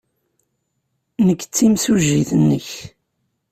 Nekk d timsujjit-nnek.